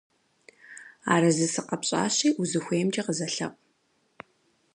Арэзы сыкъэпщӀащи, узыхуеймкӀэ къызэлъэӀу.